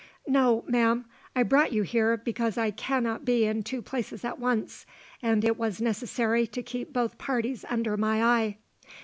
"No, ma'am. I brought you here because I cannot be in two places at once, and it was necessary to keep both parties under my eye.